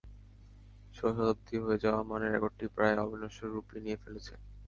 সোয়া শতাব্দী হয়ে যাওয়া মানে রেকর্ডটি প্রায় অবিনশ্বর রূপই নিয়ে ফেলেছে।